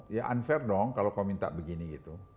ya unfair dong kalau kau minta begini gitu